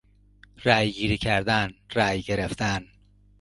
رای گیری کردن، رای گرفتن